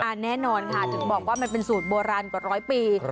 แน่นอนค่ะถึงบอกว่ามันเป็นสูตรโบราณกว่าร้อยปี